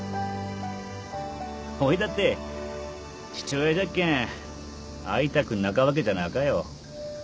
おぃだって父親じゃっけん会いたくなかわけじゃなかよ。